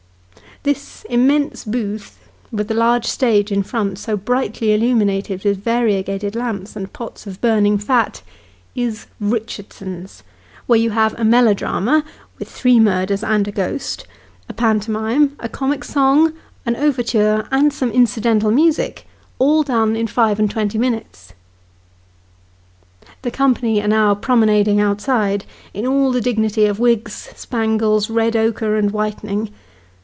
This immense booth, with the large stage in front, so brightly illuminated with variegated lamps, and pots of burning fat, is " Richard son's," where you have a melodrama (with three murders and a ghost), a pantomime, a comic song, an overture, and some incidental music, all done in five and twenty minutes. Richardson 's. 85 The company are now promenading outside in all the dignity of wigs, spangles, red ochre, and whitening.